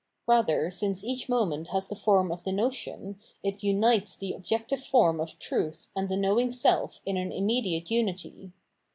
Rather, since each moment has the form of the notion, it xmites the objective form of truth and the knowing self, in an immediate unity.